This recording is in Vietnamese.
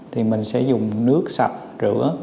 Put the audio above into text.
thì mình sẽ dùng nước sạch rửa